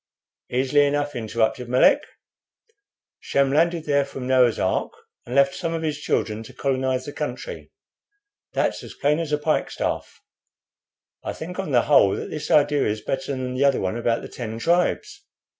"Easily enough," interrupted Melick "Shem landed there from Noah's ark, and left some of his children to colonize the country. That's as plain as a pikestaff. I think, on the whole, that this idea is better than the other one about the Ten Tribes.